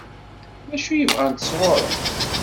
D acu i bɣant sɣur-m?